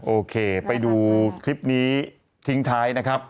โอเคไปดูคลิปนี้ทิ้งท้ายนะครับ